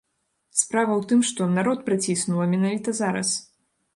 Справа ў тым, што народ прыціснула менавіта зараз.